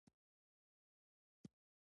افغانستان کې د لعل د پرمختګ هڅې روانې دي.